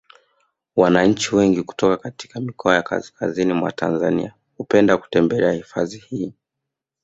Wananchi wengi kutoka katika mikoa ya kaskazini mwa Tanzania hupenda kutembelea hifadhi hii